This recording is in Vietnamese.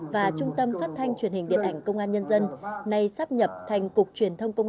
và trung tâm phát thanh truyền hình điện ảnh công an nhân dân nay sắp nhập thành cục truyền thông công